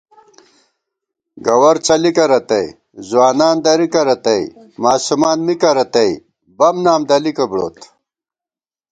گوَرڅَلِکہ رتئ، ځوانان درِکہ رتئ، ماسُومان مِکہ رتئ، بم نام دلِکہ بُڑوت